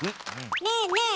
ねえねえ